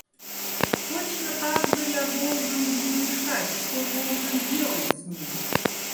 Точно так же я должен буду решать, что должен делать с ней.